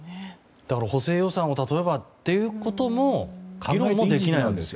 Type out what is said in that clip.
補正予算を例えばということの議論もできないわけですね。